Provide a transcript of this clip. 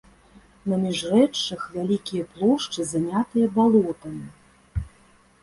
На міжрэччах вялікія плошчы занятыя балотамі.